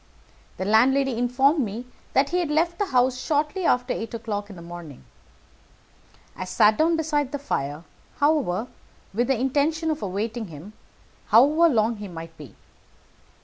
The landlady informed me that he had left the house shortly after eight o'clock in the morning. I sat down beside the fire, however, with the intention of awaiting him, however long he might be.